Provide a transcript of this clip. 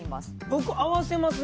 僕合わせますね。